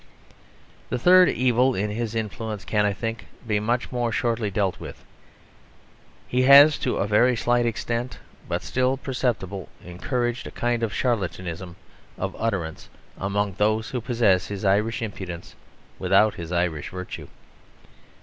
The third evil in his influence can, I think, be much more shortly dealt with. He has to a very slight extent, but still perceptibly, encouraged a kind of charlatanism of utterance among those who possess his Irish impudence without his Irish virtue.